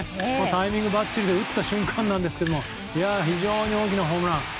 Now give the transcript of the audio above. タイミングばっちりで打った瞬間でしたが非常に大きなホームラン。